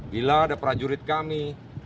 bila ada prajurit kami